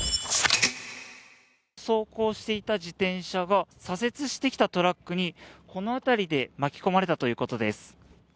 走行していた自転車が左折してきたトラックにこの辺りで巻き込まれたということです。